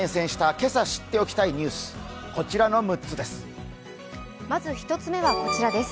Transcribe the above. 今朝知っておきたいニュースこちらの６つです。